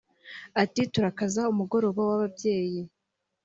Ati “Turakaza umugoroba w’ababyeyi